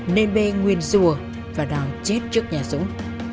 nê bê nguyên rùa và đòi chết trước nhà dũng